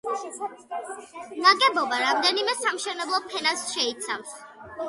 ნაგებობა რამდენიმე სამშენებლო ფენას შეიცავს.